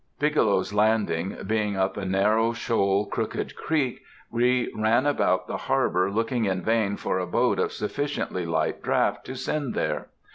Bigelow's Landing being up a narrow, shoal, crooked creek, we ran about the harbor looking in vain for a boat of sufficiently light draught to send there.